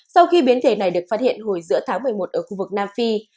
sau khi biến thể này được phát hiện hồi giữa tháng một mươi một ở khu vực nam phi